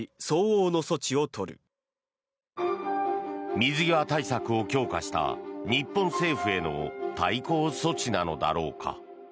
水際対策を強化した日本政府への対抗措置なのだろうか。